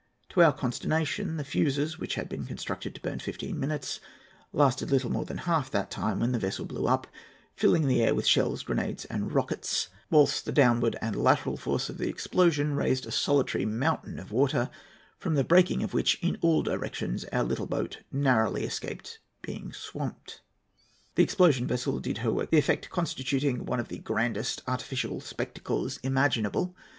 "To our consternation, the fuses, which had been constructed to burn fifteen minutes, lasted little more than half that time, when the vessel blew up, filling the air with shells, grenades, and rockets; whilst the downward and lateral force of the explosion raised a solitary mountain of water, from the breaking of which in all directions our little boat narrowly escaped being swamped. The explosion vessel did her work well, the effect constituting one of the grandest artificial spectacles imaginable.